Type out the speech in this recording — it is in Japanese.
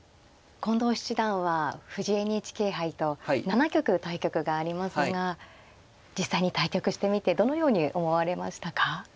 近藤七段は藤井ＮＨＫ杯と７局対局がありますが実際に対局してみてどのように思われましたか。